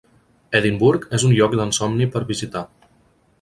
Edinburgh és un lloc d'ensomni per visitar.